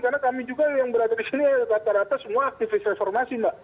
karena kami juga yang berada di sini rata rata semua aktivis reformasi mbak